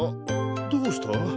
どうした？